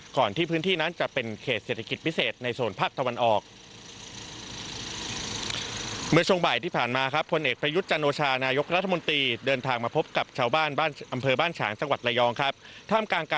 ก่อนที่พื้นที่นั้นจะเป็นเขตเศรษฐกิจพิเศษในโซนภาคตะวันออก